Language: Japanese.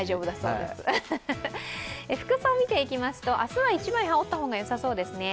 服装を見ていきますと、明日は１枚羽織った方がよさそうですね。